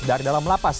dari dalam lapas